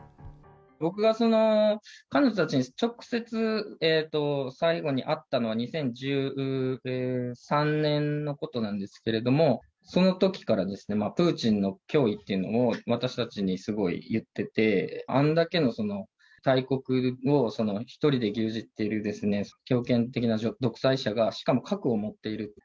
僕が彼女たちに直接最後に会ったのは２０１３年のことなんですけれども、そのときから、プーチンの脅威っていうのを私たちにすごい言ってて、あんだけの大国を１人で牛耳っている強権的な独裁者が、しかも核を持っていると。